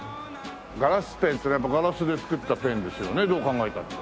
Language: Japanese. ガラスペンっていうのはやっぱガラスで作ったペンですよねどう考えたって。